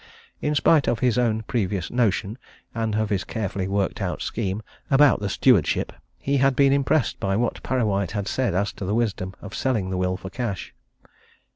In spite of his own previous notion, and of his carefully worked out scheme about the stewardship, he had been impressed by what Parrawhite has said as to the wisdom of selling the will for cash.